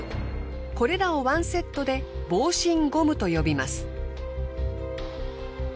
これらを１セットで防振ゴムと呼びます。